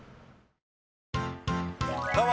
どうも！